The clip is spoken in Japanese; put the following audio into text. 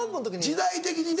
時代的にね。